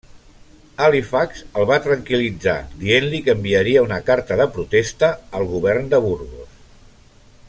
Halifax el va tranquil·litzar dient-li que enviaria una carta de protesta al govern de Burgos.